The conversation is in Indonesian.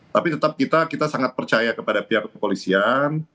tapi tetap kita sangat percaya kepada pihak kepolisian